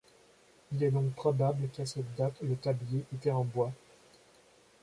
Il est donc probable qu'à cette date le tablier était en bois.